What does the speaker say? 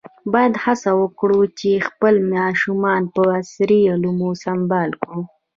باید هڅه وکړو چې خپل ماشومان په عصري علومو سمبال کړو.